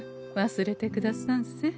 忘れてくださんせ。